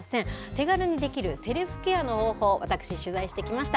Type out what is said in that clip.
手軽にできるセルフケアの方法、私、取材してきました。